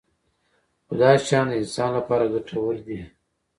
خو دا شیان د انسان لپاره ګټور دي.